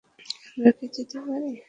আমরা কি যেতে পারি?